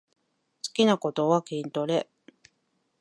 好きなことは筋トレ